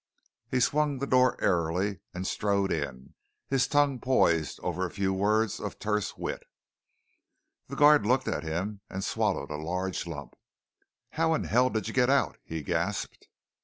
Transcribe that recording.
He swung the door airily and strode in, his tongue poised over a few words of terse wit. The guard looked at him and swallowed a large lump. "How in hell did you get out?" he gasped.